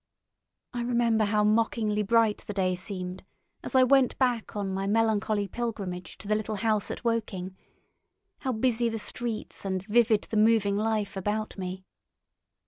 I remember how mockingly bright the day seemed as I went back on my melancholy pilgrimage to the little house at Woking, how busy the streets and vivid the moving life about me.